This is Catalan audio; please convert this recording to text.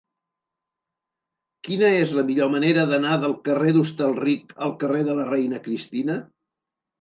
Quina és la millor manera d'anar del carrer d'Hostalric al carrer de la Reina Cristina?